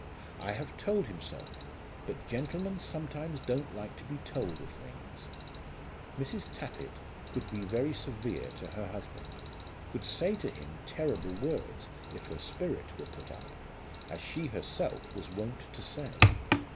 I have told him so; but gentlemen sometimes don't like to be told of things." Mrs. Tappitt could be very severe to her husband, could say to him terrible words if her spirit were put up, as she herself was wont to say.